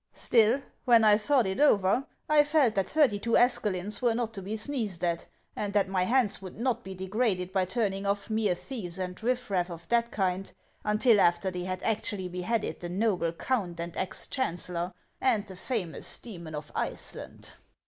Still, when I thought it over, I felt that thirty two escalins were not to be sneezed at, and that rny hands would not be degraded by turning off mere thieves and riff raff of that kind until after they had actually beheaded the noble count and ex chancellor, and the famous demon of Iceland. HANS OF ICELAND.